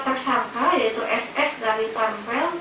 tersangka bsa dari pori